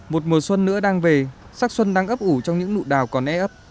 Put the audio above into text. một mùa xuân nữa đang về sắc xuân đang ấp ủ trong những nụ đào còn e ấp